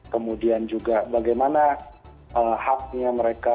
kemudian juga bagaimana haknya